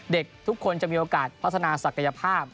เด็กทุกคนจะมีโอกาสพัฒนาศักยภาพ